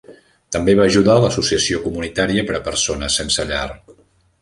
També va ajudar l'Associació Comunitària per a Persones Sense Llar.